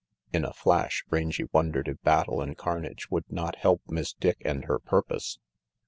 In a flash, Rangy wondered if battle and carnage would not help Miss Dick and her purpose.